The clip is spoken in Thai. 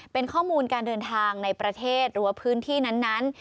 เป็นข้อมูลการเดินทางในประเทศหรือว่าพื้นที่นั้น